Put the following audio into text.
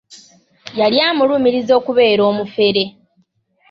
Yali amulumiriza okubeera omufere.